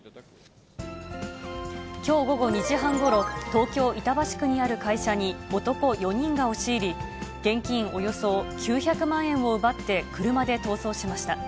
きょう午後２時半ごろ、東京・板橋区にある会社に男４人が押し入り、現金およそ９００万円を奪って、車で逃走しました。